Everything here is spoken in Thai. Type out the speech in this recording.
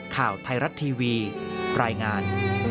ข่าวไทยรัฐทีวีรายงาน